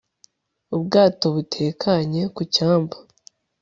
ubwato butekanye ku cyambu